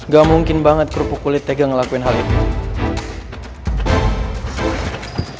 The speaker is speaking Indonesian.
ga mungkin banget kerupuk kulit tega ngelakuin hal ini